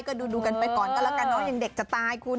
ก็ดูกันไปก่อนก็แล้วกันเนอะยังเด็กจะตายคุณ